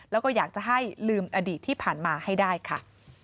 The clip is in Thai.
แล้วก็อยากจะให้ลืมอดีตที่ผ่านมาให้ได้ค่ะ